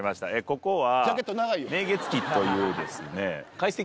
ここは。